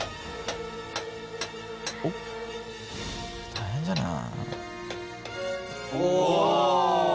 大変じゃない？